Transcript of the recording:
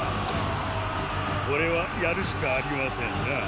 これは戦るしかありませんな。